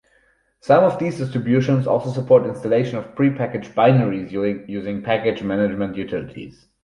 Some of these distributions also support installation of pre-packaged binaries using package management utilities.